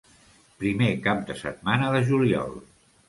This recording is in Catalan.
Primer cap de setmana de juliol.